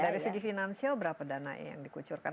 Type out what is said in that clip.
dari segi finansial berapa dana yang dikucurkan